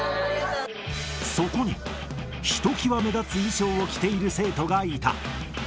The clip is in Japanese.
そこにひときわ目立つ衣装を着ている生徒がいた。